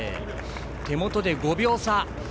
手元で５秒差。